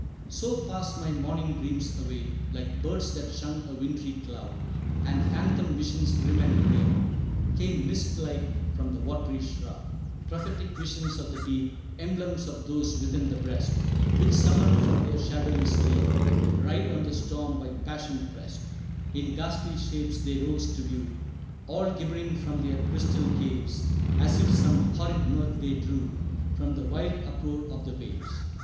XI. "So passed my morning dreams away, Like birds that shun a wintry cloud, And phantom visions, grim and gray, Came mist like from the watery shroud: Prophetic visions of the deep, Emblems of those within the breast, Which, summoned from their shadowy sleep, Ride on the storm by passion pressed! In ghastly shapes they rose to view, All gibbering from their crystal caves, As if some horrid mirth they drew From the wild uproar of the waves.